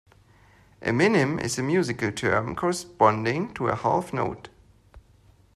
A minim is a musical term corresponding to a half note.